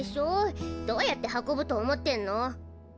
どうやって運ぶと思ってんの？